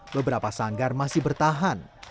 beberapa sanggar masih bertahan